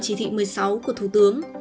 chỉ thị một mươi sáu của thủ tướng